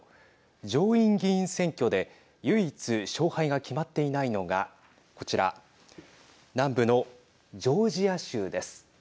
上院議員選挙で唯一、勝敗が決まっていないのがこちら南部のジョージア州です。